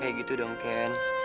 kayak gitu dong ken